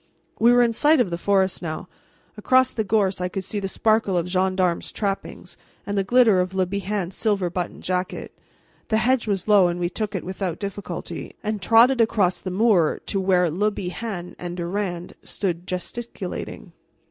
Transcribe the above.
We were in sight of the forest now; across the gorse I could see the sparkle of gendarmes' trappings, and the glitter of Le Bihan's silver buttoned jacket. The hedge was low and we took it without difficulty, and trotted across the moor to where Le Bihan and Durand stood gesticulating.